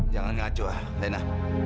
jangan ngacau lena